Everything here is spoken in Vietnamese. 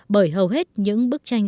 bởi hầu hết những bức tranh